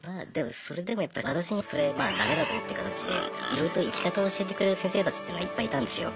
それでもやっぱり私にそれまあダメだぞって形でいろいろと生き方を教えてくれる先生たちっていうのはいっぱいいたんですよ。